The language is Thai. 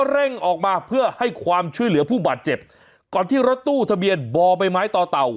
เร่งออกมาเพื่อให้ความช่วยเหลือผู้บาดเจ็บก่อนที่รถตู้ทะเบียนบ่อใบไม้ต่อเต่า